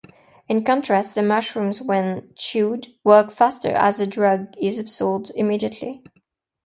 In contrast, the mushrooms when chewed, work faster as the drug is absorbed immediately.